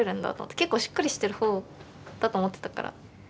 結構しっかりしてる方だと思ってたから。